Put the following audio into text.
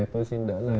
tôi xin đỡ lời